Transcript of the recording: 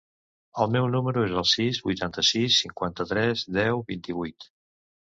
El meu número es el sis, vuitanta-sis, cinquanta-tres, deu, vint-i-vuit.